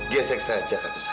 gsi saja kartu saya